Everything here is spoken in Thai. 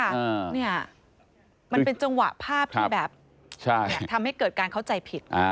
มันเป็นจังหวะภาพที่แบบทำให้เกิดการเข้าใจผิด